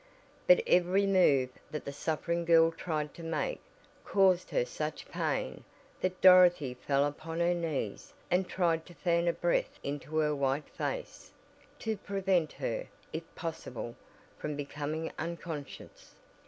But every move that the suffering girl tried to make caused her such pain that Dorothy fell upon her knees and tried to fan a breath into her white face, to prevent her, if possible, from becoming unconscious.